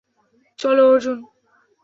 চলো, অর্জুন।